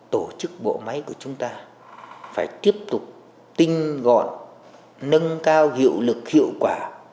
tổ chức bộ máy của chúng ta phải tiếp tục tinh gọn nâng cao hiệu lực hiệu quả